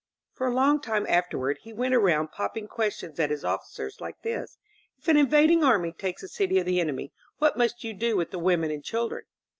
For a long time afterward he went around popping questions at his officers like this : ^^If an invading army takes a city of the enemy, what must you do with the women and children?"